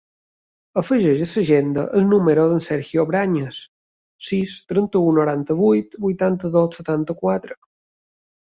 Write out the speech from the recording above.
Afegeix a l'agenda el número del Sergio Brañas: sis, trenta-u, noranta-vuit, vuitanta-dos, setanta-quatre.